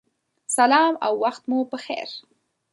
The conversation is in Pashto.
سلام او وخت مو پخیر